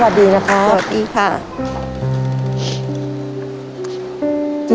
และจะยิ่งให้เจอ